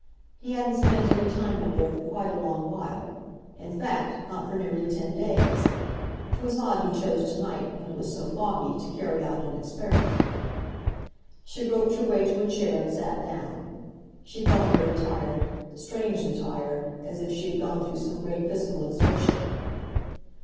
He hadn't spent any time up there for quite a long while—in fact, not for nearly ten days. 'Twas odd he chose to night, when it was so foggy, to carry out an experiment. She groped her way to a chair and sat down. She felt very tired—strangely tired, as if she had gone through some great physical exertion.